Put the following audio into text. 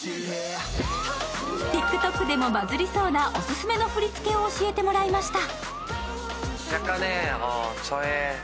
ＴｉｋＴｏｋでもバズリそうなオススメの振り付けを教えてもらいました。